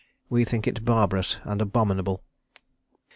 We think it barbarous and abominable."